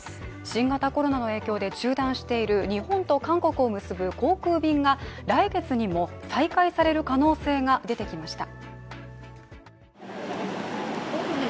新型コロナの影響で中断している日本と韓国を結ぶ航空便が来月にも再開される可能性が出てきました。